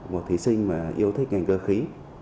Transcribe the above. một thí sinh mà yêu thích ngành cơ khí